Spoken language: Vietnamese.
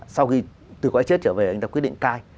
sau khi từ có chết trở về anh ta quyết định cai